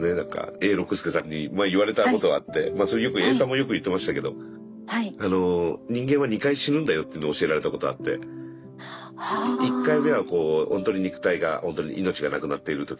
永六輔さんに前言われたことがあってまあそれよく永さんもよく言ってましたけど人間は２回死ぬんだよっていうのを教えられたことあって１回目はほんとに肉体がほんとに命が亡くなっている時と。